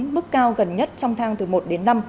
mức cao gần nhất trong thang từ một đến năm